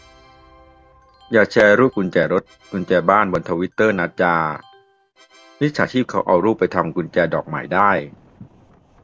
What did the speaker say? อย่าแชร์รูปกุญแจรถ กุญแจบ้าน บนทวิตเตอร์นาจา มิจฉาชีพเขาเอารูปไปทำกุญแจดอกใหม่ได้